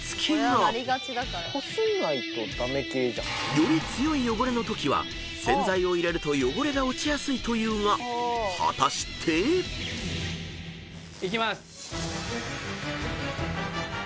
［より強い汚れのときは洗剤を入れると汚れが落ちやすいというが果たして］いきます！